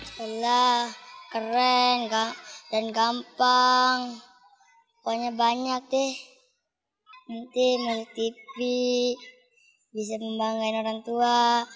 oh iya keren dan gampang pokoknya banyak deh nanti melihat tv bisa membanggain orang tua